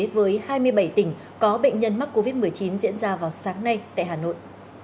với hai mươi bảy tỉnh có bệnh nhân mắc covid một mươi chín diễn ra vào sáng nay tại hà nội